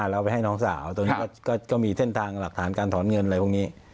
แล้วไปให้น้องสาวตอนนี้ก็มีเส้นทางหลักฐานการถอนเงินอะไรพวกนี้